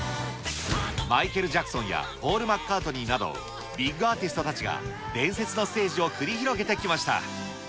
マイケル・ジャクソンやポール・マッカートニーなど、ビッグアーティストたちが伝説のステージを繰り広げてきました。